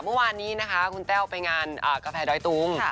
เมื่อวานนี้นะคะคุณแต้วไปงานกาแฟดอยตุง